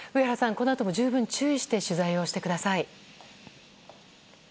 このあとも十分注意して取材をしてください。